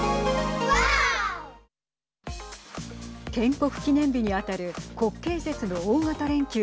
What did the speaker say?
建国記念日に当たる国慶節の大型連休